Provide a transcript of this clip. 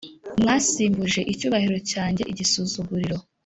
Mwasimbje icyubahiro cyanjye igisuzuguriro